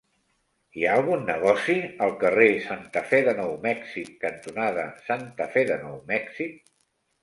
Hi ha algun negoci al carrer Santa Fe de Nou Mèxic cantonada Santa Fe de Nou Mèxic?